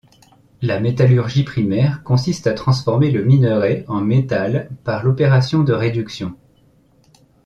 La métallurgie primaire consiste à transformer le minerai en métal, par l'opération de réduction.